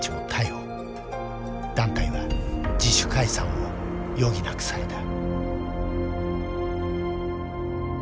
団体は自主解散を余儀なくされた。